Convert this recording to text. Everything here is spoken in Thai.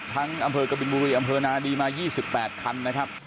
ทั้งอำเภอกบินบุรีอำเภอนาดีมายี่สิบแปดคันนะครับ